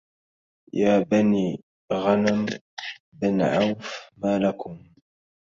يا بني غنم بن عوف ما لكم